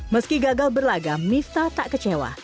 meski gagal berlagam mifta tak kecewa